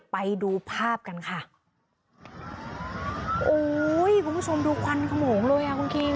ไปดูภาพกันค่ะโอ้ยคุณผู้ชมดูควันขโมงเลยอ่ะคุณคิง